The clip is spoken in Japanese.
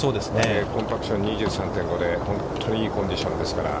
コンパクション、２３．５で、本当にいいコンディションですから。